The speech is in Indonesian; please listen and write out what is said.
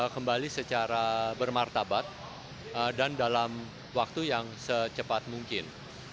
kembali secara bermartabat dan dalam waktu yang secepat mungkin